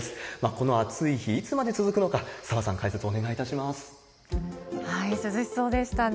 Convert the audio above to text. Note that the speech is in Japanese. この暑い日、いつまで続くのか、涼しそうでしたね。